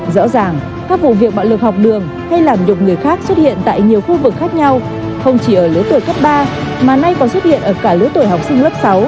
rõ ràng các vụ việc bạo lực học đường hay làm nhục người khác xuất hiện tại nhiều khu vực khác nhau không chỉ ở lứa tuổi cấp ba mà nay còn xuất hiện ở cả lứa tuổi học sinh lớp sáu